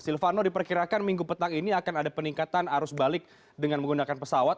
silvano diperkirakan minggu petang ini akan ada peningkatan arus balik dengan menggunakan pesawat